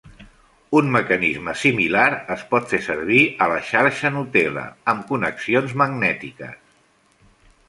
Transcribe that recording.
Un mecanisme similar es pot fer servir a la xarxa Gnutella amb connexions magnètiques.